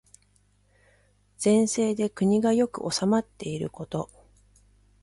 善政で国が良く治まっていること。